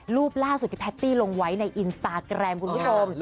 รูปล่าสุดที่แพตตี้ลงไว้ในอินสตาแกรมคุณผู้ชม